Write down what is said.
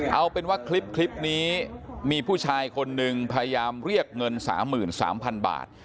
เอาเป็นว่าคลิปนี้มีผู้ชายคนหนึ่งพยายามเรียกเงิน๓๓๐๐๐บาท